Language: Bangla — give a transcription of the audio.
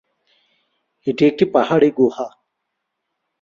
এটি একটি পাহাড়ি গুহা।